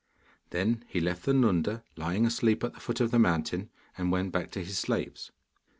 Then he left the Nunda lying asleep at the foot of the mountain, and went back to his slaves.